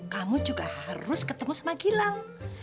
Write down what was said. kamu juga harus ketemu sama gilang